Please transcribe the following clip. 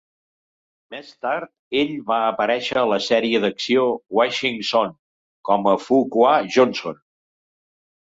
Més tard, ell va aparèixer a la sèrie d'acció "Vanishing Son" com a Fu Qua Johnson.